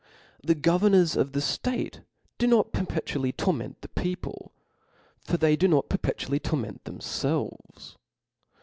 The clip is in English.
The governors of the ilate do not*pcrpfc* tually torment the people i for they do nrit perpe tually torment thcmfcives.